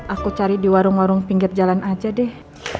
aku cari di warung warung pinggir jalan aja deh